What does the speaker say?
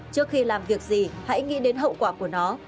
trước khi làm việc gì hãy nghĩ đến hậu quả của nó